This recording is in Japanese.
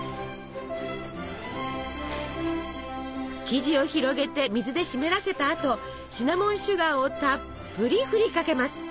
生地を広げて水で湿らせたあとシナモンシュガーをたっぷり振りかけます。